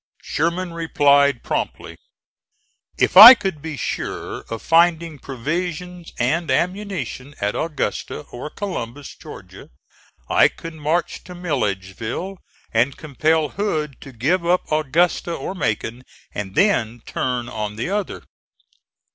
Sherman replied promptly: "If I could be sure of finding provisions and ammunition at Augusta, or Columbus, Georgia, I can march to Milledgeville, and compel Hood to give up Augusta or Macon, and then turn on the other.